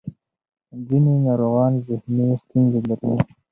ځینې ناروغان ذهني ستونزې لري.